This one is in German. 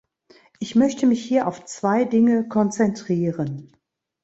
Ich möchte mich hier auf zwei Dinge konzentrieren.